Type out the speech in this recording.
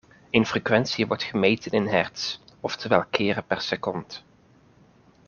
Een frequentie wordt gemeten in hertz, oftewel keren per second.